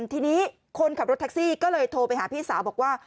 ทีนี้คนขับรถแท็กซี่ก็เลยโทรไปหาพี่สาวบอกว่า